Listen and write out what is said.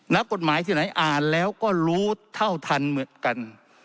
นักกฎหมายที่ไหนอ่านแล้วก็รู้เท่าทันเหมือนกัน